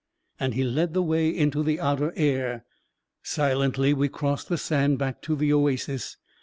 " and he led the way into the outer air. Silently we crossed the sand back to the oasis.